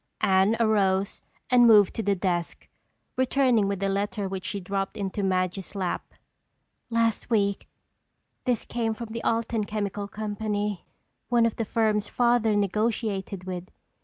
Anne arose and moved to the desk, returning with a letter which she dropped into Madge's lap. "Last week this came from the Alton Chemical Company—one of the firms Father negotiated with.